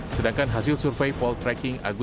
sedangkan hasil survei poltreking